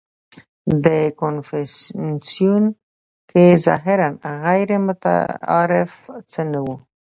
• په کنفوسیوس کې ظاهراً غیرمتعارف څه نهو.